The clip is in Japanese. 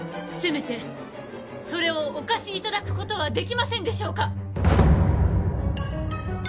せめてそれをお貸しいただくことはできませんでしょうか